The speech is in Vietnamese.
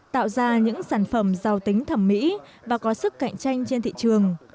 tạo ra những sản phẩm giàu tính thẩm mỹ và có sức cạnh tranh trên thị trường